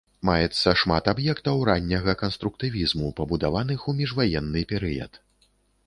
Маецца шмат аб'ектаў ранняга канструктывізму, пабудаваных ў міжваенны перыяд.